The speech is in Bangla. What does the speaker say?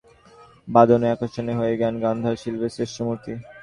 সবচেয়ে অস্থির মানুষটিও যেন বাদনের আকর্ষণে হয়ে যান গান্ধার শিল্পের শ্রেষ্ঠ মূর্তি।